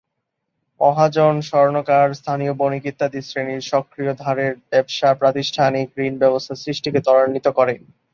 মহাজন, স্বর্ণকার, স্থানীয় বণিক ইত্যাদি শ্রেণির সক্রিয় ধারের ব্যবসা প্রাতিষ্ঠানিক ঋণব্যবস্থা সৃষ্টিকে ত্বরান্বিত করে।